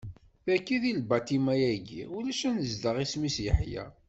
Dagi, di labaṭima-agi ulac anezdaɣ isem-is Yeḥya.